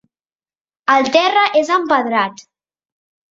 El terra és empedrat.